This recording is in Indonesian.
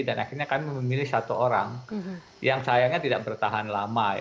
dan akhirnya kami memilih satu orang yang sayangnya tidak bertahan lama